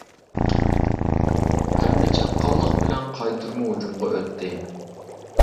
ھەمدە چاققانلىق بىلەن قايتۇرما ھۇجۇمغا ئۆتتى.